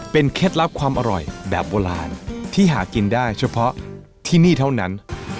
เป็นเคล็ดลับความอร่อยแบบโบราณที่หากินได้เฉพาะที่นี่เท่านั้น